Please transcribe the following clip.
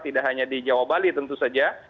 tidak hanya di jawa bali tentu saja